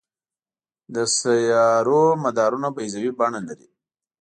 د سیارونو مدارونه بیضوي بڼه لري.